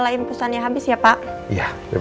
aku mau bawa posku riti